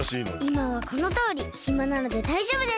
いまはこのとおりひまなのでだいじょうぶです！